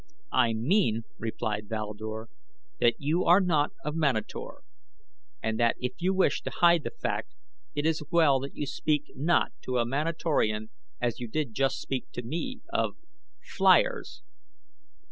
"I mean," replied Val Dor, "that you are not of Manator and that if you wish to hide the fact it is well that you speak not to a Manatorian as you did just speak to me of Fliers!